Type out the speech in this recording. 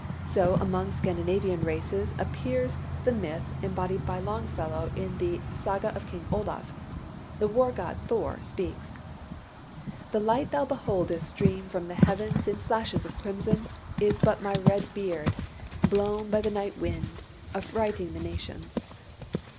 So among Scandinavian races appears the myth embodied by Longfellow in the "Saga of King Olaf." The war god, Thor, speaks: "The light thou beholdest Stream through the heavens In flashes of crimson, Is but my red beard, Blown by the night wind, Affrighting the nations."